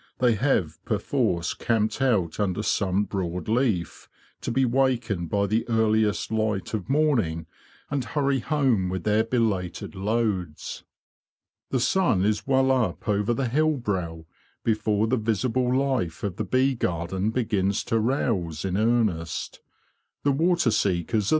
They have perforce camped out under some broad leaf, to be wakened by the earliest light of morning and hurry home with their belated loads. The sun is well up over the hillbrow before the visible life of the bee garden begins to rouse in earnest. The a are the first to appear.